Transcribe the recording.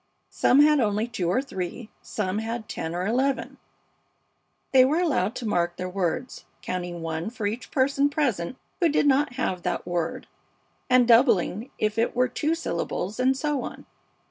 Some had only two or three, some had ten or eleven. They were allowed to mark their words, counting one for each person present who did not have that word and doubling if it were two syllables, and so on.